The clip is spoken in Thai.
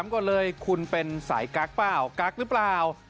ก่อนเลยคุณเป็นสายกั๊กเปล่ากั๊กหรือเปล่า